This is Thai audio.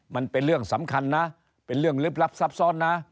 มันเป็นเรื่องสำคัญนะเป็นเรื่องลึกลับซับซ้อนนะ